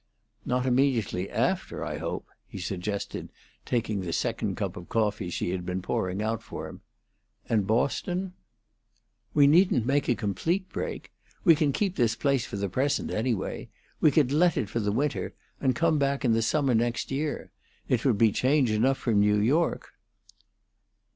"Not immediately after, I hope," he suggested, taking the second cup of coffee she had been pouring out for him. "And Boston?" "We needn't make a complete break. We can keep this place for the present, anyway; we could let it for the winter, and come back in the summer next year. It would be change enough from New York."